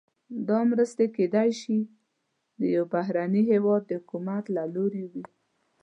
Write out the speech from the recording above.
دا مرستې کیدای شي د یو بهرني هیواد د حکومت له لوري وي.